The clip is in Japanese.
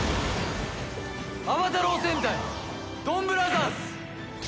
『暴太郎戦隊ドンブラザーズ』！